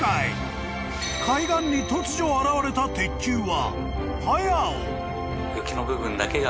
［海岸に突如現れた鉄球は］